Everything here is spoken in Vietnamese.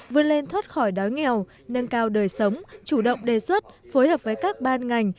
vươn lên thoát khỏi đói nghèo nâng cao đời sống chủ động đề xuất phối hợp với các ban ngành